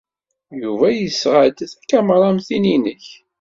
Yuba yesɣa-d takamra am tin-nnek.